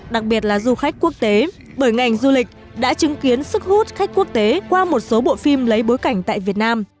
đặc biệt là du khách quốc tế bởi ngành du lịch đã chứng kiến sức hút khách quốc tế qua một số bộ phim lấy bối cảnh tại việt nam